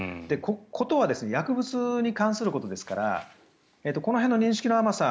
事は薬物に関することですからこの辺の認識の甘さ。